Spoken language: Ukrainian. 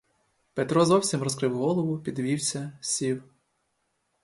Петро зовсім розкрив голову, підвівся, сів.